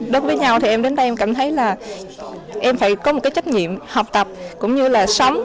đối với nhau thì em đến đây em cảm thấy là em phải có một cái trách nhiệm học tập cũng như là sống